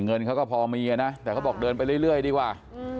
เงินเขาก็พอมีนะแต่เขาบอกเดินไปเรื่อยดีกว่า